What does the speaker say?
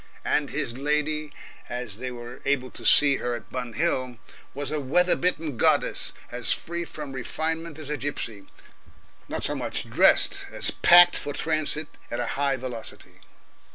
And his lady, as they were able to see her at Bun Hill, was a weather bitten goddess, as free from refinement as a gipsy not so much dressed as packed for transit at a high velocity.